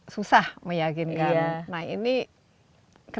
nah chartnya item